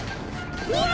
うわ！